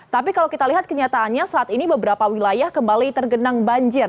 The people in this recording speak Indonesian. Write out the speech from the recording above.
tapi kalau kita lihat kenyataannya saat ini beberapa wilayah kembali tergenang banjir